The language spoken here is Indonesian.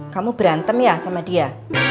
kamu berantem ya sama dia